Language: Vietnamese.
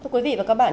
thưa quý vị và các bạn